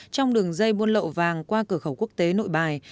trong đường dây buôn lậu vàng qua cửa khẩu quốc tế nội bài